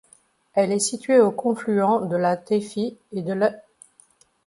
Elle est située au confluent de la Teifi et de l'.